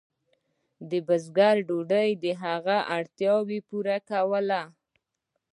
د بزګر ډوډۍ د هغه اړتیا پوره کوله.